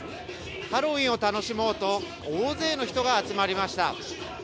ハロウィーンを楽しもうと大勢の人が集まりました。